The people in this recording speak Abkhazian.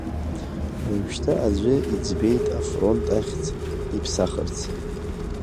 Уажәшьҭа аӡәы иӡбеит афронт ахьӡ иԥсахырц.